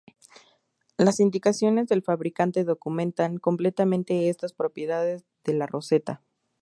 Las indicaciones del fabricante documentan completamente estas propiedades de la roseta.